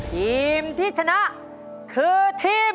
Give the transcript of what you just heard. ทีมที่ชนะคือทีม